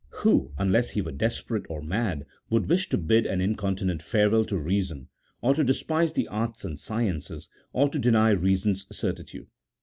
Who, unless he were desperate or mad, would wish to bid an incontinent farewell to reason, or to •despise the arts and sciences, or to deny reason's certitude?